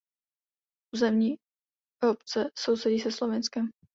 Území obce sousedí se Slovinskem.